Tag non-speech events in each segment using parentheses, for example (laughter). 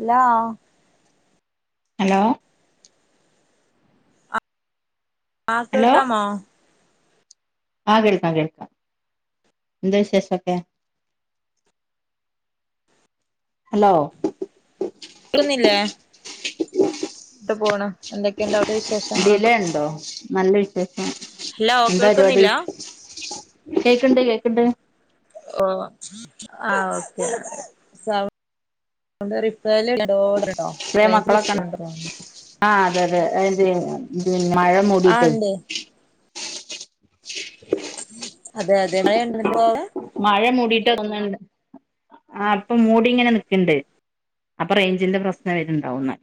Hello hello. ആഹ് കേക്കാമോ ആഹ് കേൾക്കാം കേൾക്കാം എന്താ വിശേഷൊക്കെ ഹലോ. (unintelligible) ന്നില്ലേ? ട്ട് പോണ്. എന്തൊക്കെയുണ്ട് അവിടുത്തെ വിശേഷങ്ങള് ഡിലെണ്ടോ? നല്ല വിശേഷം ഹലോ എന്താ പര്പാടി? കേൾക്കുന്നില്ല കേക്കണ്ട് കേക്കണ്ട് ഓ ആഹ് ഓക്കെ സൗ (unintelligible) ചെറിയ റേഞ്ച് ഇഷ്യൂ മക്കളൊക്കെണ്ടൊ? ഉണ്ടോ തോന്നുന്നു ആഹ് അതെ അതെ അതിയെ മഴ ആ മൂടിട്ടേ ഉണ്ട് അതെ അതെ മയ ഉണ്ടൊ ഇപ്പോ അവ്ടെ? മഴ മൂടിട്ടാ തോന്ന്ണ്ട്. ആഹ് ഇപ്പൊ മൂടി ഇങ്ങനെ നിക്ക്ണ്ട് അപ്പൊ റേഞ്ചിന്റെ പ്രശ്നം വര്ണ്ടാവുന്നാ.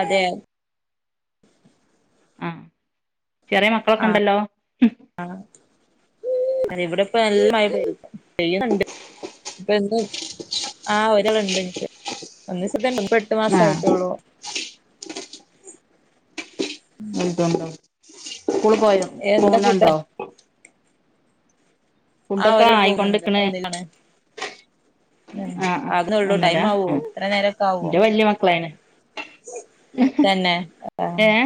അതെ ആഹ് ചെറിയ മക്കളൊക്കെണ്ടല്ലോ? ആഹ് അല്ല ഇവിട്‌പ്പ നല്ല മയ ചെയ്യ്ന്ന്ണ്ട്. ഇപ്പന്ന് ആഹ് ഒരാള്ണ്ട് ഇനിക്ക് ഒന്ന് ഇ എട്ട് ആ മാസായ്ട്ടോള്ളൂ. (unintelligible) ഒണ്ടോ സ്കൂളിപോയ എന്താ ഫുഡ് പോന്നൊണ്ടോ? ആഹ് ഫുഡൊക്കെ ഒരാള് പോന്ന്ണ്ട് ആയിക്കൊണ്ടിക്കണ് ഒന്നിലാണ്. ആ ആ ആകുന്നെള്ളൂ ഒന്നുമില്ല ടൈം ആവോ? ആ ഇത്ര നേരൊക്കെ ആവോ? എന്റെ വല്യ മക്കളായിന് തന്നെ ആഹ് ഏഹ്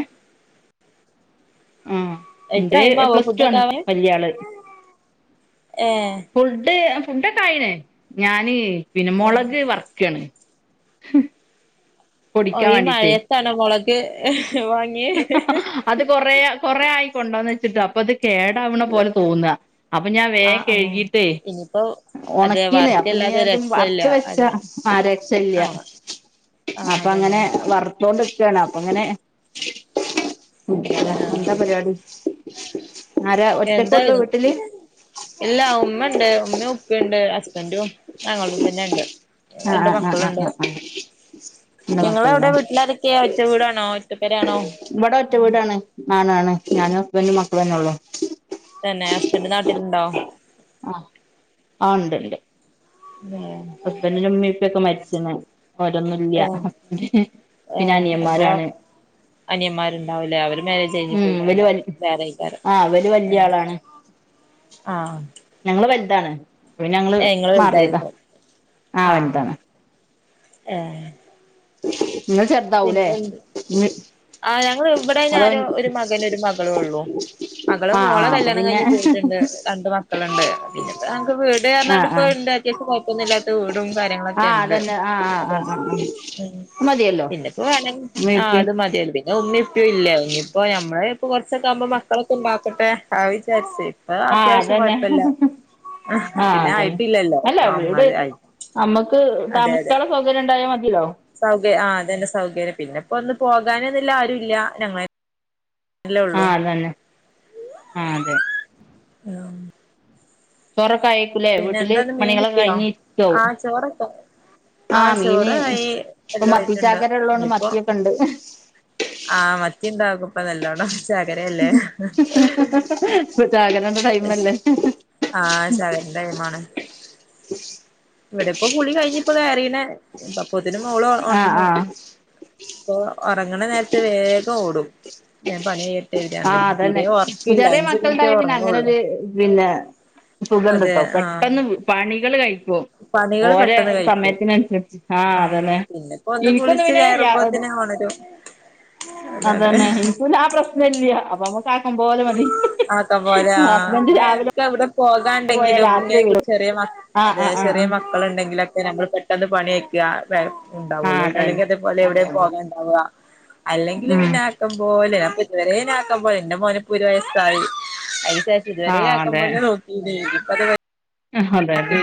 ആഹ് എത്ര ന്റെ ടൈമാവോ പ്ലസ് റ്റു ഫുഡൊക്കെ ആണ് ആവാൻ വല്യാള്. ഏഹ് ഫുഡ് ഫുഡൊക്കെആയിണ് ഞാൻ പിന്നെ തന്നെ മൊളക് വർക്കാണ്. ഓ പൊടിക്കാൻ ഈ വേണ്ടീട്ട് മയത്താണോ മൊളഗ് വാങ്ങിയെ? അത് കൊറേ കൊറേയായി കൊണ്ട്ന്ന് വെച്ചിട്ട് അപ്പൊ ത് കേടാവണ പോലെ തോന്ന അപ്പൊ ഞാൻ വേം കഴ്കീട്ടെ ഇനിപ്പോ? ഒണക്കീണ് അപ്പൊ ഞ്ഞി അതും വറുത്ത് വെച്ച അതെ ആഹ് രക്ഷല്ല. ആഹ് ആഹ് അപ്പൊ അതന്നെ അങ്ങനെ വറ്ത്തോണ്ടിക്കാണ് അപ്പൊ അങ്ങനെ അതെ (unintelligible) എന്താ ആഹ് പര്പാടി ആരാ ഒറ്റക്കെള്ളൂ എന്തായിത് വീട്ടില് ഇല്ല ഉമ്മണ്ട് ഉമ്മയും ഉപ്പയുണ്ട് ഹസ്ബന്റും ഞങ്ങളും തന്നെണ്ട് ആഹ് ആഹ് ആഹ് ആഹ് ആഹ് ആഹ് രണ്ട് മക്കള്ലേ? ത്തിയാ ഒറ്റവീടാണോ ഒറ്റ പേരയാണോ? ഇവ്ടെ ഒറ്റ വീടാണ് ആണാണ് ഞാനും ഹസ്ബന്റും മക്കളന്നെഒള്ളൂ. തന്നെ ഹസ്ബൻഡറ് നാട്ടില്ണ്ടൊ? ആഹ് ആഹ് ആഹ് ഉണ്ട്ണ്ട്. വെ (unintelligible) ഹസ്ബന്റിന്റെ ഉമ്മീ ഇപ്പ യോക്കെ മരിച്ച്ണ്ണ്. പ്പ അവരോന്നുല്യ ഏഹ് പിന്നെ അനിയമാരാണ്. അനിയമാര്ണ്ടാവലേ അവര് മാര്യേജ് കഴ്ഞ്ഞ് ഉം ഇവല് വൽ പോയ്ട്ട്ണ്ടാവും വേറെക്കാരം. ആഹ് ഇവല് വല്യ ഉം ആളാണ് ആഹ് ഞങ്ങള് വൽതാണ് അപ്പപിന്നെ ഞങ്ങള് ഏ ഇങ്ങള് മാറിയതാ വലുതായിരിക്കും ആഹ് വൽതാണ്. ഏഹ് ഇങ്ങള് ചെറുതാവൂലേ മ്മീം ആഹ് ഞങ്ങള് ഇവിടെ ഞാനു ഒരു മകന് ഒരു മകളും ഉള്ളു മകള് ആഹ് മോളെ ആഹ് അപ്പൊ കല്യാണം പിന്നെ കഴിഞ്ഞഞ് പോയിട്ടുണ്ട്. രണ്ട് മക്കളുണ്ട് പിന്നെപ്പ നമുക്ക് വീട് ആഹ് കേറണണ്ട് ഇപ്പ ആഹ് ഇണ്ട് അത്യാവശ്യം ഒന്നില്ലാത്ത വീടും കാര്യങ്ങളൊക്കെ ആഹ് ഉണ്ട് അതന്നെ ആഹ് ആഹ് അത ആഹ് ആഹ് ആഹ് മതിയല്ലോ പിന്നെപ്പോ വേണെ ഉമ്മയും ആഹ് ഉപ്പയും അത് മതി പിന്നെ ഉമ്മി പറ്റും ഇല്ല ഇനിയിപ്പോ ഞമ്മള് ഇപ്പൊ കൊറച്ചൊക്കെ ആവുമ്പോ മക്കളൊക്കെ ഉണ്ടാക്കട്ടെ ആഹ് വിചാരിച്ച് ഇപ്പാ ആഹ് അത്യാവശ്യം കൊഴപ്പില്ല അതന്നെ ആഹ് പിന്നെ ആയിട്ടില്ലല്ലോ അമ്മല് ആയി നമ്മുക്ക് താമസിക്കാനുള്ള സൗകര്യം ഉണ്ടായാൽ മതില്ലോ സൗകര്യം ആഹ് അതന്നെ സൗകര്യം പിന്നെ ഇപ്പൊ ഒന്ന് പോകാനന്നല്ല ആരും ഇല്ല പിന്നെ അമ്മയി ആഹ് അതന്നെ ആഹ് അതെ (inaudible) ചോറൊക്കെ ആയിക്കൂലേ പിന്നെ വീട്ടില് എന്താന്ന് മീൻ പണികളൊക്കെ കിട്ടിയോ കഴിഞ്ഞി ആ ഇരിക്കവും ചോറൊക്കെ ആ ആഹ് മീന് ചോറായി ഇപ്പ എല്ലാം മത്തി ആയിട്ടുണ്ട് ചാക്കര ഉള്ളതോണ്ട് മത്തിയൊക്കെ ഉണ്ട്. ആഹ് മത്തിയ ഉണ്ടാവക്പ്പ നല്ലോണോ ചാഖരയല്ലേ ഇപ്പൊ ചാകരന്റെ ബെസ് ടൈമല്ലേ ആഹ് ചായേടൈംമാണ് ഇവിടെപ്പൊ കുളികഴിഞ്ഞിപ്പോ കേറീന്നെ പ്പുതിന് മോള് ആഹ് ഒന്നു ആഹ് അപ്പൊ ഒറങ്ങണ നേര ഇത് വേഗം ഓടും ഇത് പണിയെട് ത്ത് ആ അതന്നെ ചെറിയ മിനിറ്റേ മക്കളണ്ടായ പിന്നെ ഉറങ്ങുള്ളൂ അങ്ങനെരു പിന്നെ സുഖംണ്ട് അതെ ഇട്ടോ ആ പെട്ടെന്ന് പണികള് കഴിക്കോ പണികള് ഓരോ പെട്ടെന്ന് കഴിക്കും സമയത്തിനനുസരിച്ച് ആഹ് ആ അതന്നെ പിന്നെപ്പോ ഒന്ന് എനിക്കൊന്നു കുളിച്ച് പിന്നെ കയറുമ്പോത്തിന് ഒണരും അതന്നെ അതാണ് എനിക്ക് പിന്നെ ആ പ്രശ്നം ഇല്ല്യാ അപ്പൊ നമ്മക്ക ആക്ക പോലെ മതി. ആക്കാം പോലെ ആ ഹസ്ബൻഡ് രാവിലെ പിന്നെഎനിക്ക് അവിടെ പോയാ പോകാണ്ടെങ്കിലും രാത്രി ഇങ്ങനെ കുറി വരും ചെറിയമ ആഹ് ആഹ് ആഹ് ആഹ് ക്കള്ണ്ടെങ്കിലൊക്കെ ഞങ്ങള് പെട്ടെന്ന് പണിചെയ്യും വ്യതെ ആഹ് ആഹ് ഉണ്ടാവുള്ളു അതന്നെ അല്ലെങ്കിൽ അതേപോലെ എവിടെ അതെ അതെ പോകാൻണ്ടാവുക അല്ലെങ്കിലി ഉം പിന്നെക്ക പോവല് അപ്പൊഇതുവരെയും നാ ആക്കൻ പോല എന്റെ മോന് ഇപ്പ ഒരു വയസ്സായി. ഇതുവരെ ആഹ് ആക്കമ്പന്നെ നോക്ക ആഹ് അതെ അതെ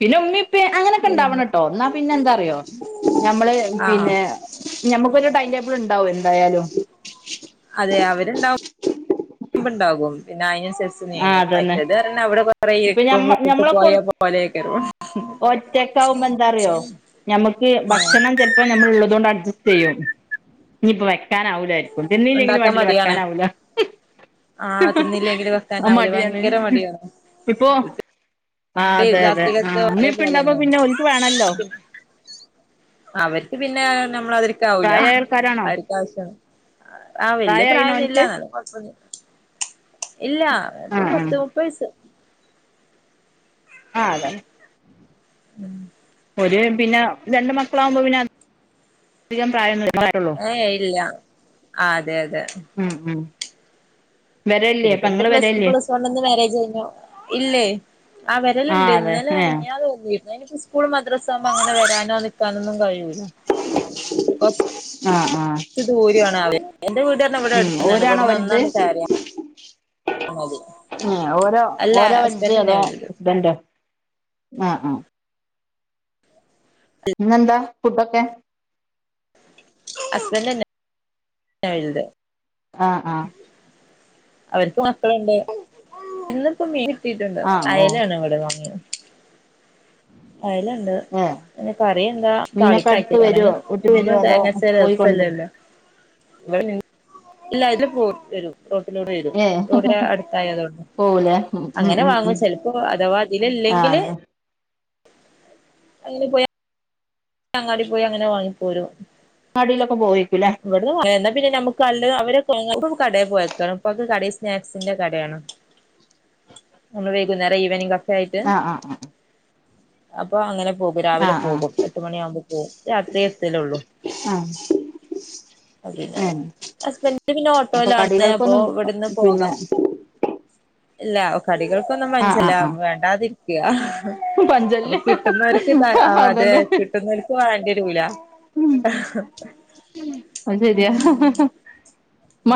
പിന്നെ ഉമ്മിപ്പ അങ്ങനെയൊക്കെ ഇണ്ടാവണം പിന്നെ കേട്ടോ എന്നാ പിന്നെ എന്താറിയോ ഞമ്മള് ആഹ് പിന്നെ ഞമ്മക്കൊരു ടൈം ടേബിൾ ഉണ്ടാവോ എന്തായാലും അതെ അവരുണ്ടാവും മ്പ്ണ്ടാകും പിന്നെ അയിന് സി ആഹ് നീങ്ങും അതന്നെ മറ്റേത് പറ അവിടെ പറ ഇപ്പൊ ഇരിക്കും ഞമ്മ വീട്ടിൽ പോയാ പോലെയക്കെറ ഒറ്റക്കആവുമ്പോ എന്താറിയോ ഞമ്മക്ക് ഭക്ഷണം താ ഇപ്പൊ ഞമ്മള് ഇത് ഉള്ളത് കൊണ്ട് അഡ്ജസ്റ്റ് ചെയ്യും ഇനിയിപ്പ വെക്കാനാവില്ലാ ഒന്നുംതിന്നിയില്ലെങ്കിലും ഉണ്ടാക്കാൻ വണ്ടില വെക്കാന മടിയാണ് ആവൂല ആഹ് തിന്നില്ലെങ്കിൽ വെക്കാനാവൂല മടിയാണ് ഭയങ്കര മടിയാണ് ഇപ്പോ ആ അതെ അതെ ആ രാത്രികത്തെ ഉമ്മി ഇപ്പ ഇണ്ട്പ അതേപോലെന്നെയാണ് പിന്നെ ഒലിക്ക് വേണല്ലോ അവര്ക്ക് പിന്നെ നമ്മള് അതിരി ക്കാവൂല പ്രായായ ആൾക്കാരാണോ അവർക്ക ആവശ്യ ആ വെല്ല്യയ പ്രായായിണോ പ്രായൊന്നും ഇല്ല ഓൻക്ക് എന്നാലും കൊറച്ച് ഇണ്ട് ഇല്ല ആ ഇപ്പൊ ആ പത്ത് പൈസു ആഹ് അതാണ് ഉം ഒര് പിന്നെ രണ്ട് മക്കളാകുമ്പോ പിന്നെ അ അധികം പ്രായംള്ളൂ ഏ ഇല്ല ആ അതെ അതെ ഉം ഉം വരല്ലേ പെങ്ങള് വരല്ലേ കൊണ്ടന്ന് വേരേജ് തിന്നോ ഇല്ലേ ആ വരലുണ്ട് അതെ ഇന്നലെ ഏ മെനഞാന്ന് സ്കൂൾ സ്കൂൾ മദ്രസ ആകുമ്പോ അങ്ങന വരാനോ നിൽക്കാനൊന്നും കഴൂല്ല. ആഹ് ആഹ് ച്ച് ദൂരെയ ആണ് ആള് എന്റെ വീട് ദാണ്ടെ ഇവിടെ അടുത്താണ് ഓരാണോ ഇവിടെന്ന് വലുത് ഒന്നാങ്ങാട്ട് കേറി ഓ അത് ഏഹ് ഓരോ ഓരാ വൽത് അതോ വലുത് ഹസ്ബൻറോ ആ അ ഇന്നെന്താ ഫുടൊക്കെ ഹസ്ബണ്ടന്നെ (unintelligible) ആ ആഹ് അവർക്ക് മക്കളുണ്ട് ഇന്നിപ്പൊ മീൻ ൻ കിട്ടീട്ടുണ്ട് ആഹ് ഓ അയലാണ് ഇവിടെ വാങ്ങിയത് അയലണ്ട് ഏ ന്നെ കറിയെന്താ മീനൊക്കെ അടുത്ത് താളിപ്പ് വരുവോ വീട്ടി വരുവോ എന്നും അതോ തേങ്ങരച്ച പോയി കൊണ്ട് രസല്ലല്ലോ (unintelligible) ഇല്ല ഇത് (inaudible) റോട്ടിലൂടെ വരും ഏ റോഡിനെ അടുത്തായതുകൊണ്ട് പോവൂലേ ഉം ഉം അങ്ങനെ ഉം വാങ്ങും ഉം ചെലപ്പോ അഥവാ ഇതില് ആഹ് ഇല്ലെങ്കില്- അയിന് പോയാ അങ്ങാടി പോയി അങ്ങനെ വാങ്ങിപ്പോരും അങ്ങാടിയിലൊക്കെ പോയേക്കുല്ലേ ഇവിടുന്ന് പിന്നെ നമുക്ക് നല്ല അവര് കടയിൽ പോയക്കാണ് ഇപ്പൊ കടയിൽ സ്നാക്സിന്റെ കടയാണ് (inaudible) നമ്മള് വൈകുന്നേരം ഈവനിംഗ് ക- ആഹ് ആഹ് ആഹ് അപ്പൊ അങ്ങനെ പോകും രാവിലെ ആഹ് ആഹ് പോകും എട്ട് മണിയാകുമ്പോൾ പോകും രാത്രി എത്തുകില്ലയൊള്ളു (unintelligible) ഏ ഹസ്ബൻഡ് പിന്നെ അപ്പൊ ഓട്ടോയിലാണ് അപ്പൊ കടികൾക്കൊന്നും ഇവിടുന്ന് പിന്നെ- പോകാം ഇല്ല കടികൾക്കൊന്നും പഞ്ച ആഹ് (unintelligible) ല്ല ആഹ് ആഹ് വേണ്ടാതിര്- യഹ് അപ്പൊ പഞ്ചല്ല് കിട്ടുന്നവർക്ക് അതേ അതന്നെ കിട്ടുന്നോര്ക് വാണ്ടി വരൂല അത് ശരിയാ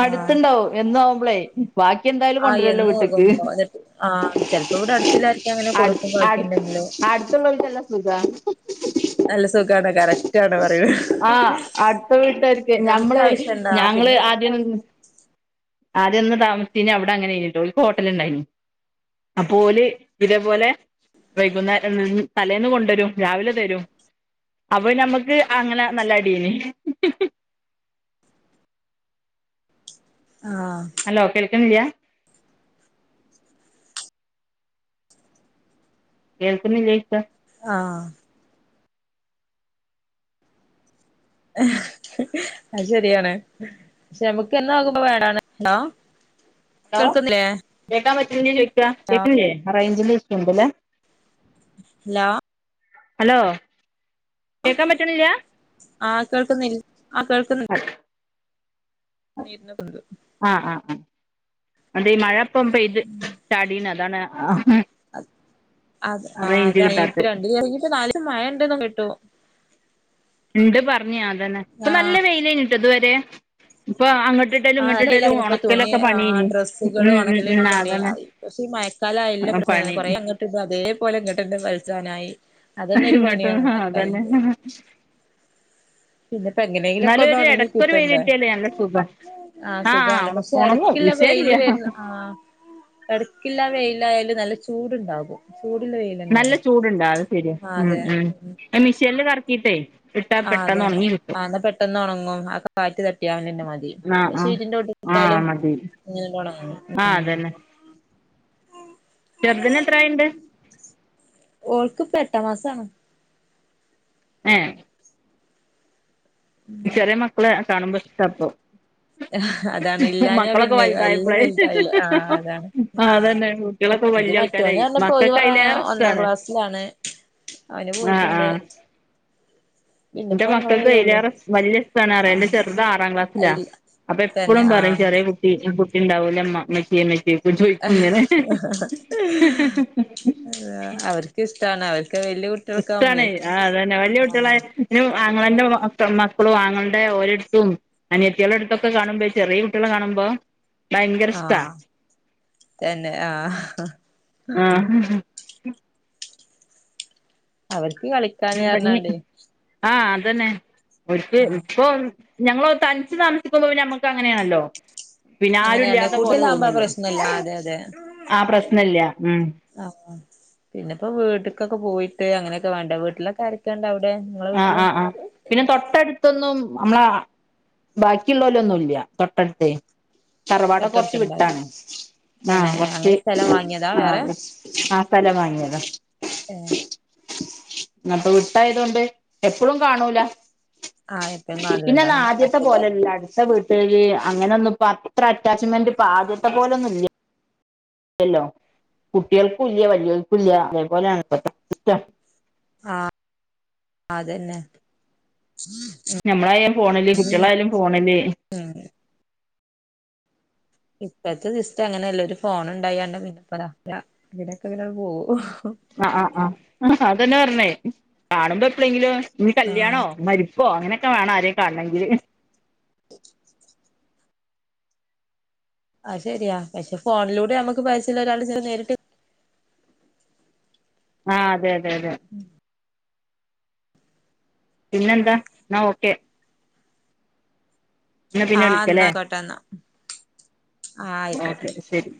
ആഹ് എന്നും ആവുമ്പളേ ബാക്കി എന്തായാ- ആ എന്നും ആകുമ്പോ എന്നിട്ട് ആ ചെലപ്പോ ഇവിടെ അടുത്തുള്ളാർക്കെങ്കിലും കൊടുക്കും ബാക്കിണ്ടെങ്കില് ആഹ് അടുത്തുള്ളോർക്ക് എല്ലാം സുഖവാണ് നല്ല സുഖാണ് കറക്ട്ടാണ് പറണത് ആഹ് അടുത്ത വീട്ടുകാർക്ക് ഞമ്മള് ഞങ്ങള് പിന്നെ ആദ്യം- ആദ്യം അന്ന് താമസിച്ചീന അവിടെ അങ്ങനെയായിരുന്നുട്ടോ ഓൽക്ക് ഹോട്ടലിണ്ടായിന് അപ്പൊ ഓല് ഇതേപോലെ- വൈകുന്നേരം തലേന്ന് കൊണ്ടുവരും രാവിലെ തരും അപ്പൊ നമ്മക്ക് അങ്ങനെ നല്ല അടിയെയ്നി ആഹ് ഹലോ കേൾക്കണില്ലിയ കേക്കുന്നില്ലേ ചോദിച്ചാ ആഹ് ഹ് അത് ശരിയാണ് പക്ഷെ നമുക്ക് എന്നും ആകുമ്പോ ബേടാണ് ഹലോ കേക്കാൻ പറ്റുന്നില്ലേന്ന് ചോദിക്കുവാ കേക്കിണില്ലേ റേഞ്ചില് പ്രശ്നണ്ട് ഇല്ലേ ഹലോ ഹലോ കേക്കാൻ പറ്റിണില്ലാ ആ കേൾക്കുന്നി ആ (unintelligible) ആഹ് ആഹ് ആഹ് അതെ മഴയിപ്പം പെയ്ത് ചാടീന്ന് അതാണ് അ ആ റേഞ്ച് അതപ്പൊ കിട്ടാത്തെ രണ്ട് (unintelligible) നാല് മഴ ണ്ടന്ന് കേട്ടു ഇണ്ട് പറഞ് അത് തന്നെ ഇപ്പൊ ആ നല്ല വെയിലേനിട്ടോ ഇതുവരെ ഇപ്പൊ അങ്ങട്ട്- ആഹ് അയിലെ എറങ്ങി പോയി ആ തുണി ഡ്രസ്സുകൾ ഉം ഉം ഒണക്കില് ഇനി ഉം പണി അതന്നെ പക്ഷെ ഈ മഴ- കാലായാല്ല പ്രശ്നതാണ് പണി കൊറെേ അങ്ങോട്ട് ട അതേപോലെ ഇങ്ങോട്ട ട (unintelligible) ഇങ്ങട്ടും ആഹ് അത് തന്നെ പിന്നെ ഇപ്പ എങ്ങനെങ്കിലൊക്കൊന്ന് ഒണങ്ങി കിട്ടണ്ടേ വെയിലിട്ടിയാലേ നല്ല സുഖാ ആഹ് സുഖാണ് ഒണ പക്ഷെ ഒണങ്ങും എടയ്ക്ക് ഇല്ല വെയില് വിഷയല്ല വരുന്ന ആഹ് എടയ്ക്കില്ല വെയിലായാല് നല്ല ചൂടുണ്ടാകും ചൂടില്ല വെയി- നല്ല ചൂടുണ്ടാ അത് ശരിയാ ഉം ഉം അത് മിഷെനില് കറക്കിയിട്ടേ ഇട്ടാ പെട്ടന്ന് ഒണങ്ങി കി ആന്നാ പെട്ടെന്ന് ഒണങ്ങും ആക്കെ കാറ്റ് തട്ടിയാലന്നെ മതി പിന്നെ ആഹ് ആഹ് ഷീറ്റിന്റെ മണ്ടക്ക് ആഹ് ഇട്ടാലും- മതി ഇങ്ങനണ്ട് ഒണങ്ങും ആഹ് ഉം അതന്നെ ചെറുതിന് എത്രായ്ണ്ട് ഓൾക്ക് ഇപ്പ എട്ടാം മാസാണ് ഏഹ് ചെറിയ മക്കളെ കാണുമ്പോ ഇഷ്ട്ടാപ്പൊ അതാണ് ഇല്ലാനാ പിന്നെ എല്ലും വലുതായില്ലേ ആഹ് അതാണ് ആഹ് അതന്നെ കുട്ടികളൊക്കെ ഇൻക്ക് വലിയ മറ്റോന് ആൾക്കാരായി പറഞ്ഞപ്പോര് മക്കൾക്ക് അയിലേറെ ഒന്നാം ഇഷ്ടാണ് ക്ലാസിലാണ് അവന് പോയിട്ട്ണ്ട് ഇന്റെ മക്കൾക്ക് ഇങ്ങളെല്ലേ ഉള്ളൂ അയിലേറെ ഇഷ് വല്ല്യേ ഇഷ്ട്ടാനറയ എന്റെ ആഹ് ചെറുത് ആറാം ക്ലാസ്സിലാ അയിൽ അപ്പൊ തന്നെ എപ്പളും പറീം ആഹ് ചെറിയ കുട്ടി കുട്ടിണ്ടാവൂലേമ്മാ ഇമ്മച്ചിയേ ഇമ്മച്ചിയേ അവര്ക്ക് ഇഷ്ടാണ് അവര്ക്ക് വല്ല്യേ കു കിട്ടാണേ ആഹ് അതന്നെ വലിയ കുട്ടിയാളായ പിന്നം ആങ്ങളെന്റെ മ മക്ക മക്കളും ആങ്ങളൻ്റെ ഓലട്ത്തും അനിയത്തിയാളെടുത്തൊക്കെ കാണുമ്പേ ചെറിയ കുട്ടിയാളെ കാണുമ്പോ ഭയങ്കര ഇഷ്ട്ടാ ആഹ് തന്നെ ആഹ് ആഹ് അവർക്ക് കളി ഇണ്ടങ്ങി ആഹ് അതന്നെ ഓര്ക്ക് ആഹ് ഇപ്പൊ ഞങ്ങളോ തനിച്ചു താമസിക്കുമ്പോ ഞമ്മക്ക് അങ്ങനെയാണല്ലോ പിന്നെ അങ്ങനെയാണ് ആരുഇല്ല്യാത്ത പോലെ കൂടുതലാകുമ്പോ തോന്നല്ലോ പ്രശ്നല്ല അതെ അതെ ആ പ്രശ്നല്ല ഉം ആഹ് പിന്നെപ്പോ വീട്ട്ക്കൊക്കെ പോയിട്ട് അങ്ങനെയൊക്കെ വാണ്ടേ വീട്ടിലൊക്കെ ആരെ കെന്താ അവടെ വ ആഹ് ആഹ് ആഹ് പിന്നെ തൊട്ടടുത്തൊന്നും അമ്മളെ ബാക്കിയുള്ളോലൊന്നുംല്ല തൊട്ടടുത്തേ തറവാടൊക്കേ കൊറച്ച് തൊട്ടടുത്തുണ്ടാവില്ല വിട്ടാണ് തന്നെ ആഹ് കൊർച്ച് അങ്ങനെ സ്ഥലം വാങ്ങിയതാ വേറെ ആഹ് ആ സ്ഥലം വാങ്ങിയതാ ഏഹ് അപ്പൊ വിട്ടായതോണ്ട് എപ്പളും കാണൂല ആഹ് എപ്പഴും പിന്നെന്നാ കാണലുണ്ടാവില്ല ആദ്യത്തെ മറ്റേത് പോലല്ല അടുത്ത വീ ട്ടുകാര് അങ്ങനൊന്നും ഇപ്പ അത്ര അറ്റാച്ച്മെന്റ് ഇപ്പ ആദ്യത്തെ പോലൊന്നും ഇല്ല ല്ലല്ലോ കുട്ടികൾക്കും ഇല്ല വല്ല്യോൽക്കും ഇല്ല അതേപോലാണ് ഇപ്പത്തെ കുത്താ ആഹ് അതന്നെ ഞാമ്മളായാലും ഫോണില് കുട്ടികളായാലും ഫോണില് ഉം ഇപ്പത്തെ സിസ്റ്റം അങ്ങനല്ലേ ഒരു ഫോൺ ഇണ്ടായാണ്ട് പിന്നെപ്പതാ താ ഇവിടെക്കെങ്ങനെ പോവും ആഹ് ആഹ് ആഹ് അതന്നെ പറഞ്ഞേ കാണുമ്പോ എപ്പളേങ്കിലും ഇഞ്ഞി കല്യാണോ ആഹ് മരി പ്പോ അങ്ങനെക്കെ വേണം ആരെ കാണെണങ്കില് (inaudible) അഹ് ശരിയാ പക്ഷെ ഫോണിലൂടെ നമ്മക്ക് പൈസല്ല ഒരാള് സേ നേരിട്ട് ആഹ് അതെ അതെ അതെ ഉം പിന്നെന്താ ന്നാ ഓക്കെ എന്നാ പിന്നെ ആഹ് ന്ന വിളിക്കല്ലേ ആയിക്കോട്ടെന്നാ ആഹ് അയിക്കോട്ടെ ഓക്കെ ശരി